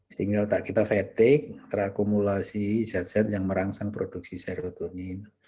sehingga otak kita fetik terakumulasi zat zat yang merangsang produksi serotonin